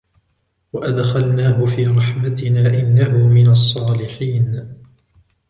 وَأَدْخَلْنَاهُ فِي رَحْمَتِنَا إِنَّهُ مِنَ الصَّالِحِينَ